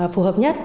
phù hợp nhất